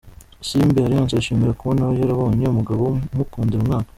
Isimbi Alliance yishimira kubona yarabonye umugabo umukundira umwana.